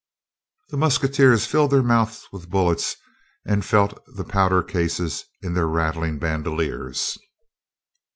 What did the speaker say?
The musketeers filled their mouths with bullets and felt the powder cases in their rattling bandoleers.